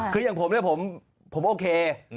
คืออย่างผมผมโอเค